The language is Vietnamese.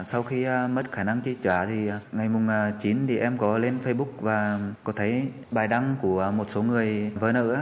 sau khi mất khả năng chi trả thì ngày chín thì em có lên facebook và có thấy bài đăng của một số người vỡ nợ